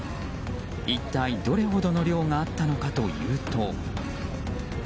一体どれほどの量があったのかというと。